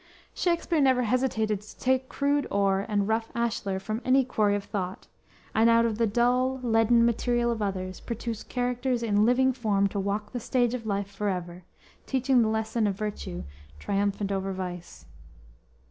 Shakspere never hesitated to take crude ore and rough ashler from any quarry of thought; and out of the dull, leaden material of others, produced characters in living form to walk the stage of life forever, teaching the lesson of virtue triumphant over vice.